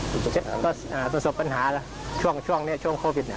ก็อยากจะฝากให้เพื่อนที่สมสมปัญหาช่วงเนี่ยช่วงโควิดเนี่ย